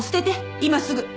今すぐ。